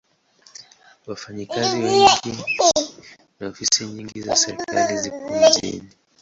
Wafanyakazi wengi na ofisi nyingi za serikali zipo mjini.